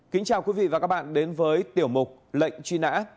kính chào quý vị và các bạn đến với tiểu mục lệnh truy nã